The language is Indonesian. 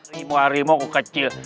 rimau rimau kau kecil